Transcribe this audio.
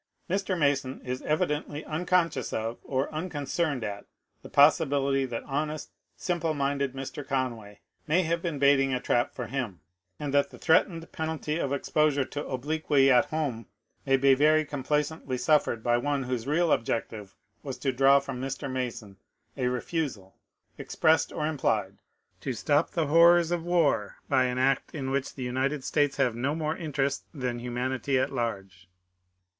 Mr. Mason is evidently unconscious of, or unconcerned at, the possibility that honest, simple minded Mr. Conway may have been baiting a trap for him — and that the threat ened penalty of exposure to obloquy at home may be very complacent! V suffered by one whose real object was to draw from Mr. Mason a refusal, expressed or implied, to stop the horrors of war by an act in which the United States have no more interest tluui humanity at large.